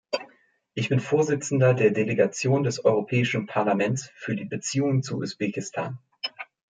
Ich bin Vorsitzender der Delegation des Europäischen Parlaments für die Beziehungen zu Usbekistan.